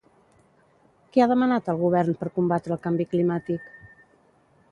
Què ha demanat al govern per combatre el canvi climàtic?